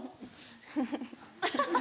フフフ。